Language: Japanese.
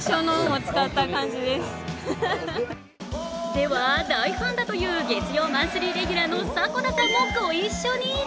では、大ファンだという月曜マンスリーレギュラーの迫田さんもご一緒に。